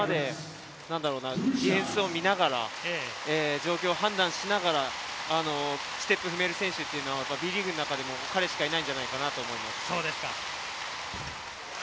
ディフェンスを見ながら状況を判断しながらステップを踏める選手はＢリーグの中でも彼しかいないんじゃないかなと思います。